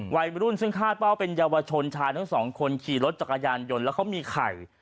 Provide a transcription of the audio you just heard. วัยรุ่นซึ่งคาดว่าเป็นเยาวชนชายทั้งสองคนขี่รถจักรยานยนต์แล้วเขามีไข่